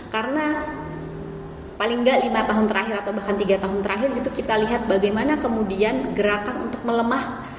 karena paling tidak lima tahun terakhir atau bahkan tiga tahun terakhir itu kita lihat bagaimana kemudian gerakan untuk melemah